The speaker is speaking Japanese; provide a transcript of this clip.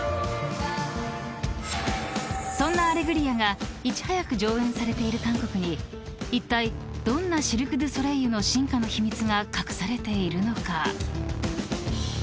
［そんな『アレグリア』がいち早く上演されている韓国にいったいどんなシルク・ドゥ・ソレイユの進化の秘密が隠されているのか？］